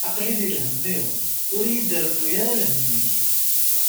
Aql-i di lhemm-iw, ur yi-d-rennu ara lhemm-ik.